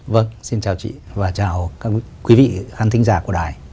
vâng xin chào chị và chào quý vị khán thính giả của đài